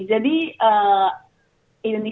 jadi indonesia night market